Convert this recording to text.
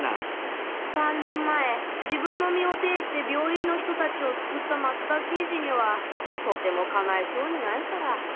３年前自分の身を挺して病院の人達を救った松田刑事にはとてもかないそうにないから。